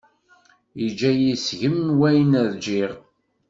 Yeǧǧa-yi seg-m wayen ṛǧiɣ.